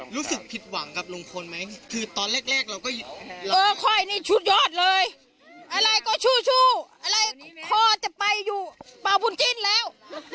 รู้สึกผิดหวังกับลุงพลไหมคือตอนแรกเราก็เออค่อยนี่ชุดยอดเลยอะไรก็ชู่อะไรพ่อจะไปอยู่ป่าบุญจิ้นแล้ว